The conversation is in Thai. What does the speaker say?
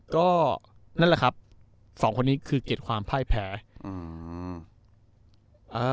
ก่อนั่นแหละครับส่องคนนี้คือเกร็ดความแพร่แพร่อืม